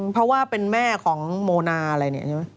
เพราะว่าเป็นแม่ของโมนาอะไรเนี่ยใช่ไหม